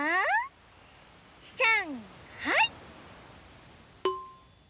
さんはい。